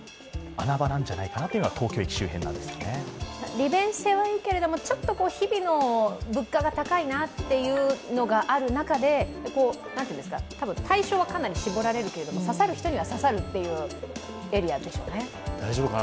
利便性はいいけれども、ちょっと日々の物価が高いなというのがある中で多分対象はかなり絞られるけれども、刺さる人には刺さるっていうエリアですよね大丈夫かな。